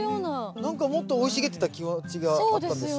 なんかもっと生い茂ってた気持ちがあったんですが。